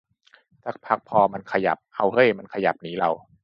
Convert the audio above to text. สักพักพอมันขยับ อ้าวเฮ้ยขยับหนีเรา